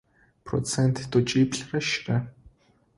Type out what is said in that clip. Процент тӏокӏиплӏрэ щырэ .